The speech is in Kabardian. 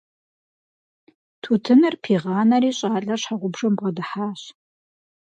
Тутыныр пигъанэри, щIалэр щхьэгъубжэм бгъэдыхьащ.